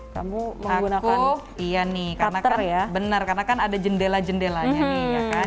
kamu menggunakan iya nih benar karena kan ada jendela jendelanya nih ya kan